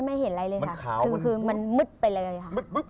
ไม่เห็นอะไรเลยค่ะคือมันมืดไปเลยค่ะ